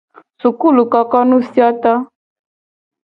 Sukulukokonufioto.